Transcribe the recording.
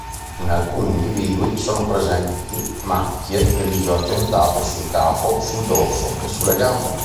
In alcuni individui sono presenti macchie grigio-argentate sul capo, sul dorso e sulle gambe.